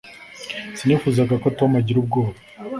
sinifuzaga ko tom agira ubwoba